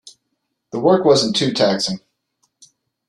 The work wasn't too taxing.